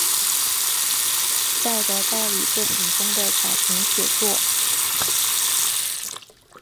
在的代理作品中的甲田写作。